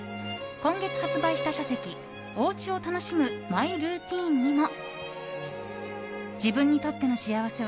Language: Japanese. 今月発売した書籍「おうちを楽しむマイルーティン」にも。